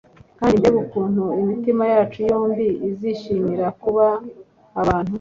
kandi mbega ukuntu imitima yacu yombi izishimira kuba abantu